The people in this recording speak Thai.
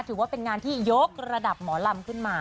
ถือว่าเป็นงานที่ยกระดับหมอลำขึ้นมา